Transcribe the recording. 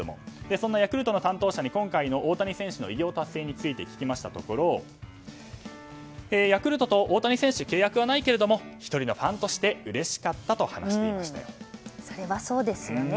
そんなヤクルトの担当者に今回の大谷選手偉業達成について聞いたところヤクルトと大谷選手契約はないけれども１人のファンとしてそれはそうですよね。